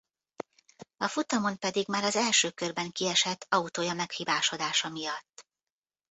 A futamon pedig már az első körben kiesett autója meghibásodása miatt.